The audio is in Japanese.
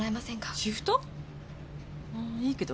あいいけど。